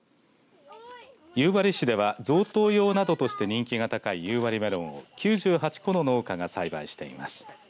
夕張市では贈答用などとして人気が高い夕張メロンを９８戸の農家が栽培しています。